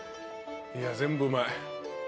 いや全部うまい。